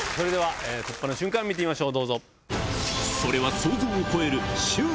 突破の瞬間見てみましょう。